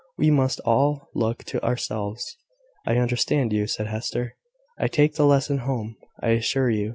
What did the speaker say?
We must all look to ourselves." "I understand you," said Hester. "I take the lesson home, I assure you.